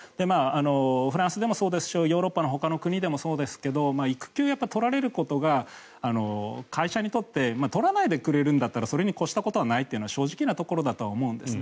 フランスでもそうですしヨーロッパのほかの国でもそうですが育休を取られることが会社にとって取らないでくれるんだったらそれに越したことはないというのは正直なところだと思うんですね。